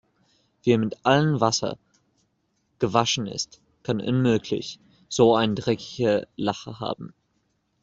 Wer mit allen Wassern gewaschen ist, kann unmöglich so eine dreckige Lache haben.